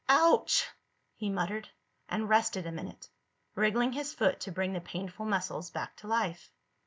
"Ouch!" he muttered, and rested a minute, wriggling his foot to bring the painful muscles back to life.